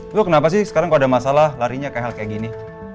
itu kenapa sih sekarang kalau ada masalah larinya ke hal kayak gini